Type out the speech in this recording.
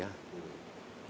tanggung jawab saya sebagai